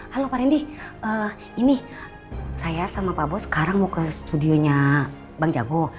halo pak randy ini saya sama pak bos sekarang mau ke studionya bang jago